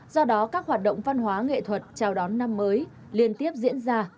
do đó các hoạt động văn hóa nghệ thuật chào đón năm mới liên tiếp diễn ra